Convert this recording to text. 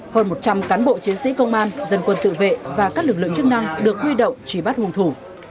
hơn một trăm linh cán bộ chiến sĩ công an dân quân tự vệ và các lực lượng chức năng được huy động truy bắt nguồn thủ